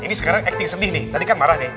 ini sekarang acting sedih nih tadi kan marah nih